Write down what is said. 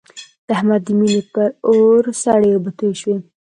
د احمد د مینې پر اور سړې اوبه توی شوې.